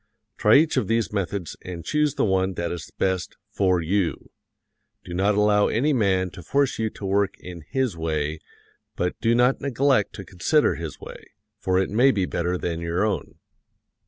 Try each of these methods and choose the one that is best for you. Do not allow any man to force you to work in his way; but do not neglect to consider his way, for it may be better than your own.